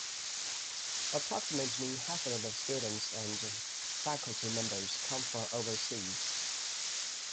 Approximately half of the students and faculty members come from overseas.